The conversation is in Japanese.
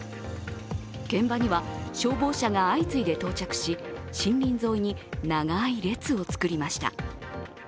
現場には消防車が相次いで到着し森林沿いに長い列を作りました。